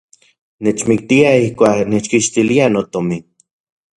Nechmiktiaj ijkuak nechkixtiliaj notomin.